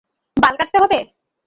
বাল কাটতে হবে?